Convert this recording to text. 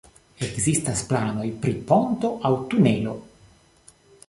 Ekzistas planoj pri ponto aŭ tunelo.